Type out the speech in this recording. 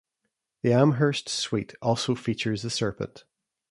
The "Amherst Suite" also features the serpent.